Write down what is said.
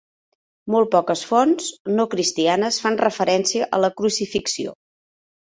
Molt poques fonts no cristianes fan referència a la crucifixió.